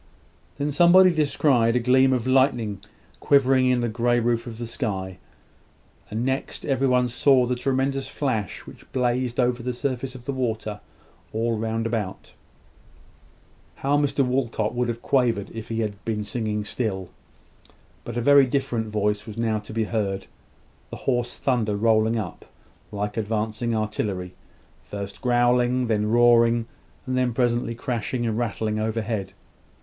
Then somebody descried a gleam of lightning quivering in the grey roof of the sky; and next, every one saw the tremendous flash which blazed over the surface of the water, all round about. How Mr Walcot would have quavered if he had been singing still. But a very different voice was now to be heard the hoarse thunder rolling up, like advancing artillery; first growling, then roaring, and presently crashing and rattling overhead.